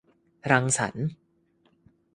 รังสรรค์